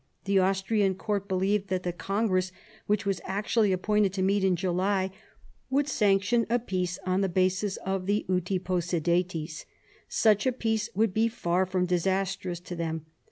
The Austrian court believed that the congress, which was actually appointed to meet in July, would sanction a peace on the basis of the " Uti possidetis." Such a peace would be far from disastrous to them.